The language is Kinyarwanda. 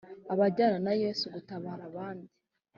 abajyana na yesu gutabar' abandi